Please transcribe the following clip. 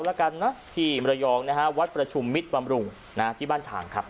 แล้วกันนะที่มรยองนะฮะวัดประชุมมิตรบำรุงที่บ้านฉางครับ